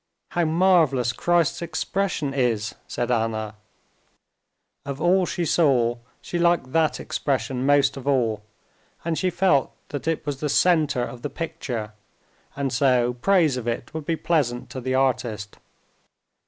"How marvelous Christ's expression is!" said Anna. Of all she saw she liked that expression most of all, and she felt that it was the center of the picture, and so praise of it would be pleasant to the artist.